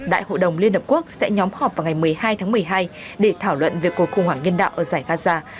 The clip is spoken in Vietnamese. đại hội đồng liên hợp quốc sẽ nhóm họp vào ngày một mươi hai tháng một mươi hai để thảo luận về cuộc khủng hoảng nhân đạo ở giải gaza